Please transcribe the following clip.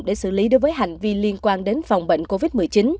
để xử lý đối với hành vi liên quan đến phòng bệnh covid một mươi chín